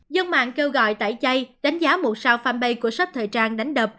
dân mạng kêu gọi tải chay đánh giá một sao fanpage của shop thời trang đánh đập